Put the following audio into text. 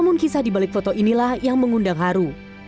namun kisah dibalik foto inilah yang mengundang haru